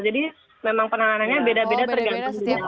jadi memang penanganannya beda beda tergantung